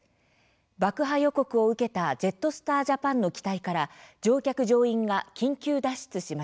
爆破予告を受けたジェットスター・ジャパンの機体から乗客・乗員が緊急脱出しました。